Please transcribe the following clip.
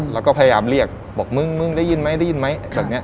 แล้วก็พยายามเรียกบอกมึงมึงได้ยินไหมได้ยินไหมแบบนี้